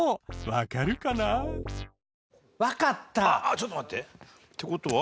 ちょっと待って。って事は？